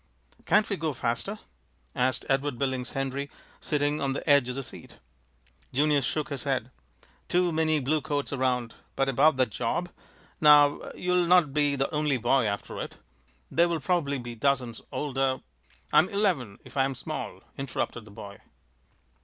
"Can't we go faster?" asked Edward Billings Henry, sitting on the edge of the seat. Junius shook his head. "Too many blue coats around. But about that job, now you'll not be the only boy after it. There will probably be dozens older " "I'm eleven, if I am small," interrupted the boy.